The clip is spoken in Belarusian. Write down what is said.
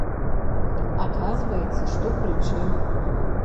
Аказваецца, што пры чым.